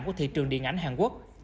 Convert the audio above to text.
của thị trường điện ảnh hàn quốc